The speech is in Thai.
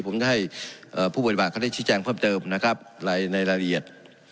ผมจะให้ผู้บริบัติเขาได้ชิดแจงเพิ่มเจอมในรายละเอียด